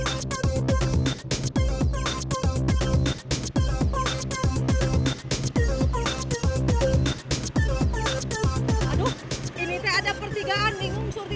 aduh ini teh ada pertigaan bingung surti teh mau kemana ya ke kanan apa ke kiri